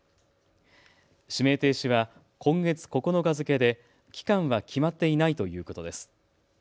指名停止は今月９日付けで期間は決まっていないということです。